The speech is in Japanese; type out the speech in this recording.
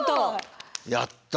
やった！